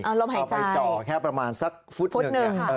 เอาไปจ่อแค่ประมาณสักฟุตหนึ่งเนี่ย